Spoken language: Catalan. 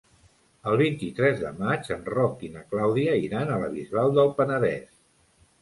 El vint-i-tres de maig en Roc i na Clàudia iran a la Bisbal del Penedès.